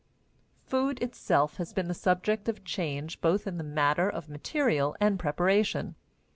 Food itself has been the subject of change both in the matter of material and preparation.